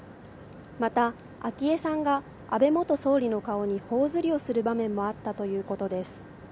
また、昭恵さんが安倍元総理の顔にほおずりをする場面もあったということです。